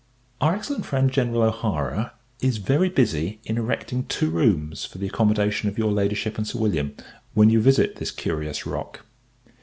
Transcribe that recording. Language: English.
Our excellent friend, General O'Hara, is very busy in erecting two rooms for the accommodation of your Ladyship and Sir William, when you visit this curious rock.